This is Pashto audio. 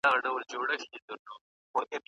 که په کور کي انټرنیټ موجود وي، درس نه پرېښودل کېږي.